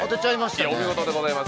お見事でございます。